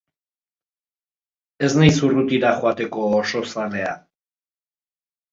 Ez naiz urrutira joateko oso zalea.